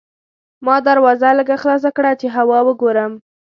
ما دروازه لږه خلاصه کړه چې هوا وګورم.